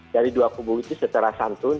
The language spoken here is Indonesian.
dari dua kubu itu secara santun